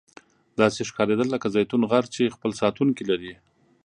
داسې ښکاریدل لکه زیتون غر چې خپل ساتونکي لري.